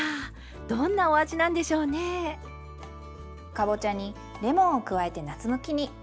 かぼちゃにレモンを加えて夏向きに。